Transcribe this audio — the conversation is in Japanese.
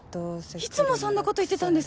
いつもそんなこと言ってたんですか？